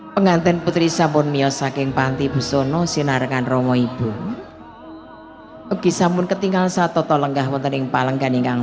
pengantin putri sampun mio saking panti buzono lenggah wetening palenggan binajang